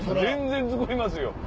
全然作りますよ。